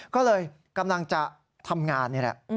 ก็เลยกำลังจะทำงานนี่แหละ